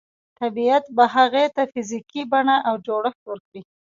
طبیعت به هغې ته فزیکي بڼه او جوړښت ورکړي